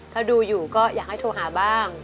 ถ้าดูอยู่ก็อยากให้โทรหาบ้าง